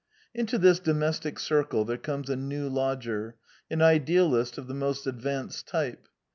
Into this domestic circle there comes a new lodger, an idealist of the most advanced type.